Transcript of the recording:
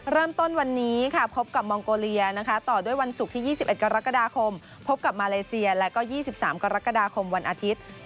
เริ่มต้นวันนี้ค่ะพบกับมองโกเลียนะคะต่อด้วยวันศุกร์ที่๒๑กรกฎาคมพบกับมาเลเซียและก็๒๓กรกฎาคมวันอาทิตย์